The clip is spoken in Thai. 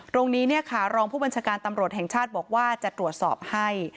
ตรงนี้เนี่ยค่ะรองผู้บัญชาการตำรวจแห่งชาติบอกว่าจะตรวจสอบให้